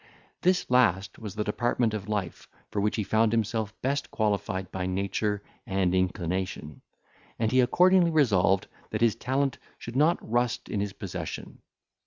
This last was the department of life for which he found himself best qualified by nature and inclination; and he accordingly resolved that his talent should not rust in his possession.